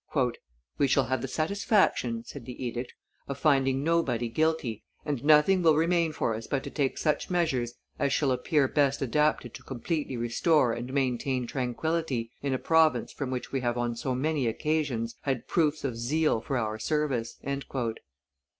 "We shall have the satisfaction," said the edict, "of finding nobody guilty, and nothing will remain for us but to take such measures as shall appear best adapted to completely restore and maintain tranquillity in a province from which we have on so many occasions had proofs of zeal for our service."